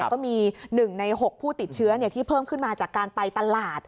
ก็มี๑ใน๖ผู้ติดเชื้อที่เพิ่มขึ้นมาจากการไปตลาด